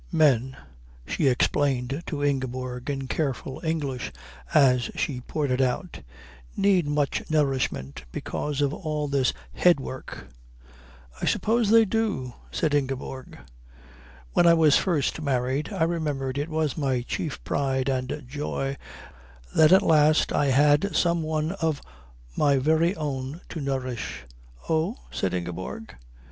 "Men," she explained to Ingeborg in careful English as she poured it out, "need much nourishment because of all this head work." "I suppose they do," said Ingeborg. "When I was first married I remember it was my chief pride and joy that at last I had some one of my very own to nourish." "Oh?" said Ingeborg.